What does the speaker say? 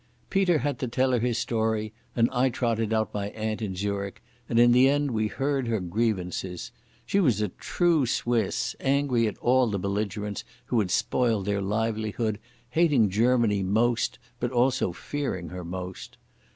Peter had to tell her his story, and I trotted out my aunt in Zurich, and in the end we heard her grievances. She was a true Swiss, angry at all the belligerents who had spoiled her livelihood, hating Germany most but also fearing her most.